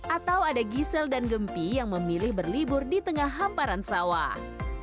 atau ada gisel dan gempi yang memilih berlibur di tengah hamparan sawah